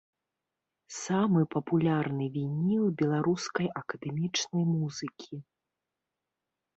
Самы папулярны вініл беларускай акадэмічнай музыкі.